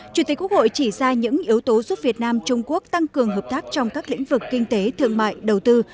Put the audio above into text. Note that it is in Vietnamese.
chủ tịch quốc hội chỉ ra những yếu tố giúp việt nam trung quốc tăng cường hợp tác trong các lĩnh vực kinh tế thương mại đầu tư